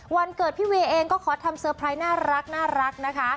วันเกิดพี่เวย์เองก็ขอทำเซอร์ไพรส์น่ารักนะคะ